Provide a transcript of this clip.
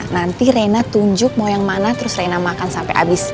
nanti reina tunjuk mau yang mana terus reina makan sampai habis